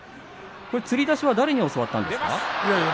つり出しは誰に教わったんですか。